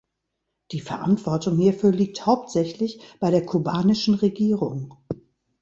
Die Verantwortung hierfür liegt hauptsächlich bei der kubanischen Regierung.